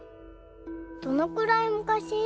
どのくらいむかし？